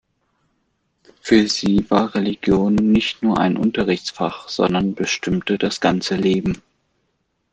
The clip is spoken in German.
Für sie war Religion nicht nur ein Unterrichtsfach, sondern bestimmte das ganze Leben.